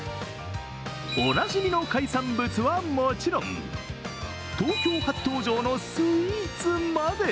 おなじみの海産物はもちろん、東京初登場のスイーツまで。